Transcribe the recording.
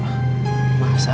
masalahnya pak saud